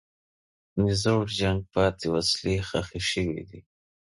د زوړ جنګ پاتې وسلې ښخ شوي دي.